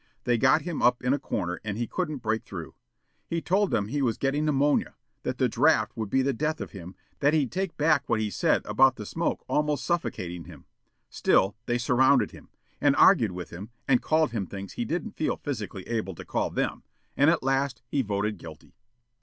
They got him up in a corner and he couldn't break through. He told them he was getting pneumonia, that the draft would be the death of him, that he'd take back what he said about the smoke almost suffocating him, still they surrounded him, and argued with him, and called him things he didn't feel physically able to call them, and at last he voted guilty.